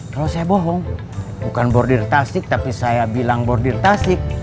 kalau saya bohong bukan bordir tasik tapi saya bilang bordir tasik